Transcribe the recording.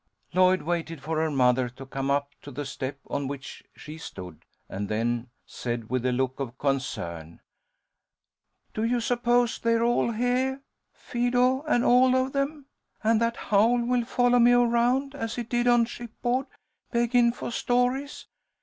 Lloyd waited for her mother to come up to the step on which she stood, and then said, with a look of concern, "Do you suppose they are all heah, 'Fido' an' all of them? And that Howl will follow me around as he did on shipboard, beggin' for stories?